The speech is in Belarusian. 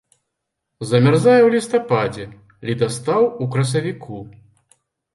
Замярзае ў лістападзе, ледастаў у красавіку.